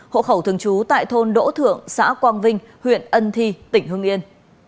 hộ khẩu thường trú tại thôn đỗ thượng xã quang vinh huyện ân thi tỉnh hương yên